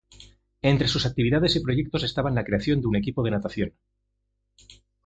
Entre sus actividades y proyectos estaban la creación de un equipo de natación.